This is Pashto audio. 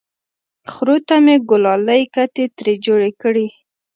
خرو ته مې ګلالۍ کتې ترې جوړې کړې!